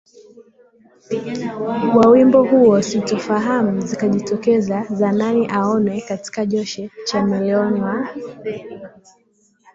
wa wimbo huo Sintofahamu zikajitokeza za nani aonwe kati ya Jose Chameleone wa